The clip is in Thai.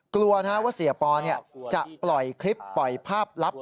กลัวว่าเสียปอจะปล่อยคลิปปล่อยภาพลับ